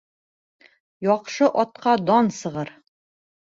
Яҡшы атҡа дан сығыр.